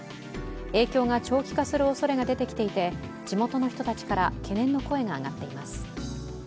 影響が長期化するおそれが出てきていて地元の人たちから懸念の声が上がっています。